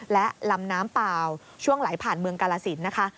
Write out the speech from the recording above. และลำน้ำเปล่าช่วงไหลผ่านเมืองกาลสินนะคะ